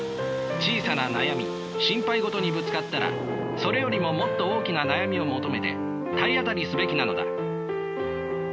小さな悩み心配事にぶつかったらそれよりももっと大きな悩みを求めて体当たりすべきなのだ。